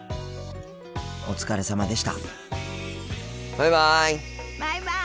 お疲れさまでした。